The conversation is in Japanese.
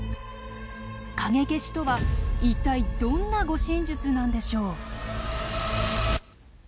影消しとは一体どんな護身術なんでしょう。